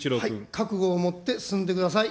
覚悟をもって進んでください。